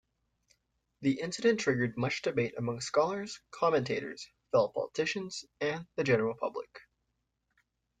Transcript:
The incident triggered much debate amongst scholars, commentators, fellow politicians, and the general public.